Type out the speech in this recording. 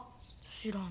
知らん。